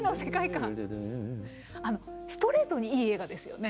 ストレートにいい映画ですよね。